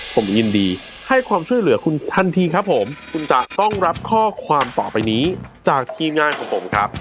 ผมยินดีให้ความช่วยเหลือคุณทันทีครับผมคุณจะต้องรับข้อความต่อไปนี้จากทีมงานของผมครับ